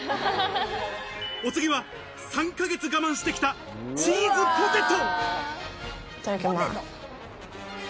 お次は３ヶ月我慢してきたチーズポテト。